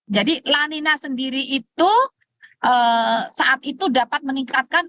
lanina sendiri itu saat itu dapat meningkatkan